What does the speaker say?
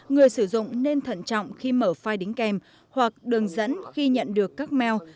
người sử dụng nên thận trọng khi mở file đính kèm hoặc đường dẫn khi nhận được các mail